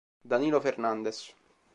Danilo Fernandes